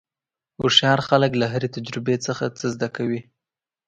هوښیار خلک له هرې تجربې نه څه زده کوي.